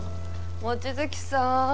望月さーん。